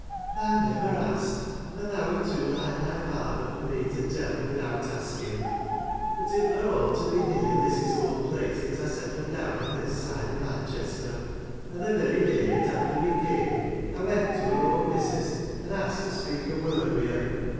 ' Thou never asked, and thou 'rt too like thy father for me to tell without asking — but it were all to be near Lizzie's old place that I settled down on this side o' Manchester ; and the very day at after we came, I went to her old missus, and asked to speak a word wi' her.